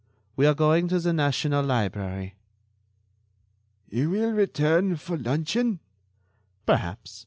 We are going to the National Library." "You will return for luncheon?" "Perhaps